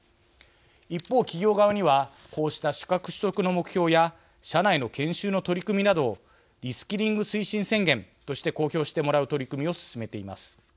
一方、企業側にはこうした資格取得の目標や社内の研修の取り組みなどをリスキリング推進宣言として公表してもらう取り組みを進めています。